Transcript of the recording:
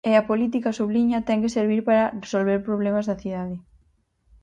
E a política, subliña, ten que servir para "resolver problemas da cidade".